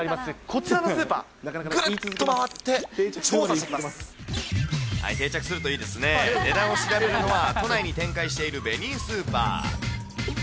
こちらのスーパー、ぐるっと回って調査し定着するといいですね、値段を調べるのは、都内に展開しているベニースーパー。